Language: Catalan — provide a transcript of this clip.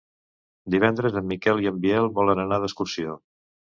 Divendres en Miquel i en Biel volen anar d'excursió.